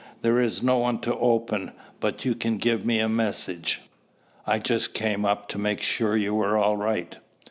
There is no one to open, but you can give me a message." "I just came up to make sure you were all right."